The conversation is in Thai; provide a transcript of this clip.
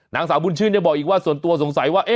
นางสาวบุญชื่นยังบอกอีกว่าส่วนตัวสงสัยว่า